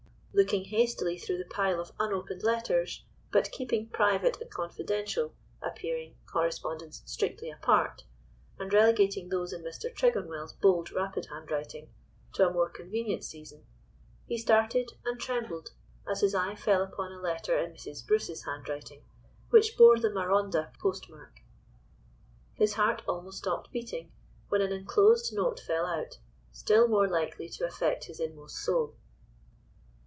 Looking hastily through the pile of unopened letters, but keeping private and confidential appearing correspondence strictly apart, and relegating those in Mr. Tregonwell's bold, rapid handwriting, to a more convenient season, he started, and trembled, as his eye fell upon a letter in Mrs. Bruce's handwriting which bore the Marondah postmark. His heart almost stopped beating, when an enclosed note fell out, still more likely to affect his inmost soul.